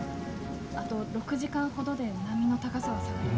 あと６時間ほどで波の高さは下がります。